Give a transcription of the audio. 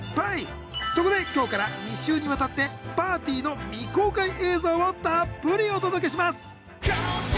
そこで今日から２週にわたってパーティーの未公開映像をたっぷりお届けします！